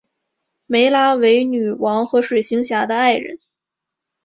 湄拉为女王和水行侠的爱人。